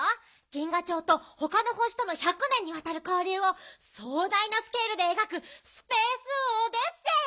銀河町とほかの星との１００年にわたるこうりゅうをそう大なスケールでえがくスペースオディッセー！